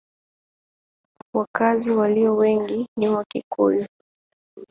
Wakazi walio wengi ni Wakikuyu.